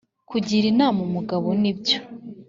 kugira inama umugabo nibyo